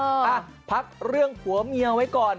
พักเรื่องผัวเมียไว้ก่อน